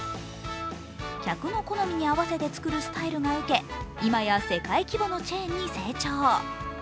客の好みに合わせてスタイルが受け、今や世界規模のチェーンに成長。